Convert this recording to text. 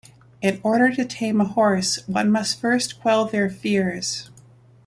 In order to tame a horse one must first quell their fears.